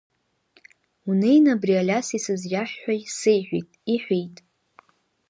Унеины убри Алиас исызиаҳә ҳәа сеиҳәеит, – иҳәеит.